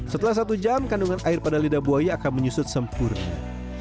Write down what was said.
setelah satu jam kandungan air pada lidah buaya akan menyusut sempurna